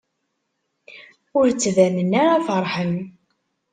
Ur ttbanen ara feṛḥen.